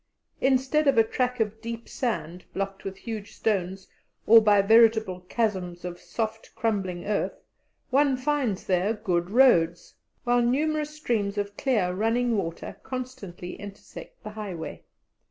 Instead of a track of deep sand blocked with huge stones or by veritable chasms of soft, crumbling earth, one finds there good roads, while numerous streams of clear running water constantly intersect the highway.